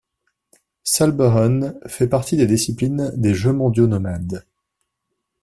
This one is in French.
Salburun fait partie des disciplines des Jeux Mondiaux Nomades.